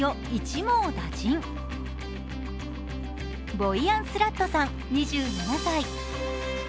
ボイヤン・スラットさん２７歳。